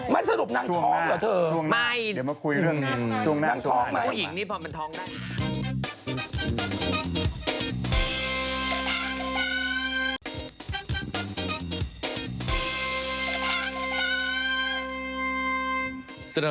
มันสรุปนางท้องเหรอเธอ